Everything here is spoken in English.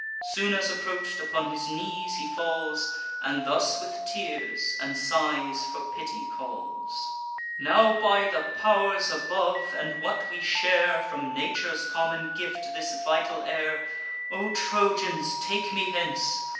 Soon as approach'd, upon his knees he falls, And thus with tears and sighs for pity calls: 'Now, by the pow'rs above, and what we share From Nature's common gift, this vital air, O Trojans, take me hence!